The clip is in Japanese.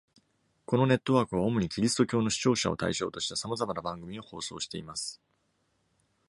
このネットワークは、主にキリスト教の視聴者を対象としたさまざまな番組を放送しています。